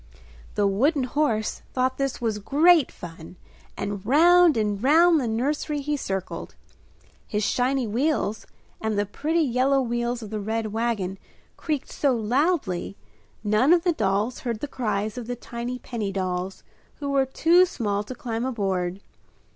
The wooden horse thought this was great fun and round and round the nursery he circled. His shiny wheels and the pretty yellow wheels of the red wagon creaked so loudly none of the dolls heard the cries of the tiny penny dolls who were too small to climb aboard.